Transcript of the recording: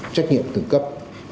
trách nhiệm từng cấp